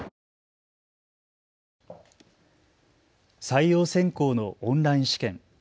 採用選考のオンライン試験。